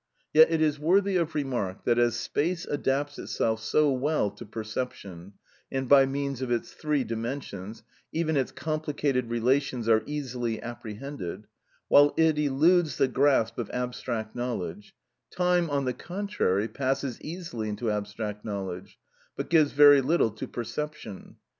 Yet it is worthy of remark, that as space adapts itself so well to perception, and by means of its three dimensions, even its complicated relations are easily apprehended, while it eludes the grasp of abstract knowledge; time, on the contrary, passes easily into abstract knowledge, but gives very little to perception.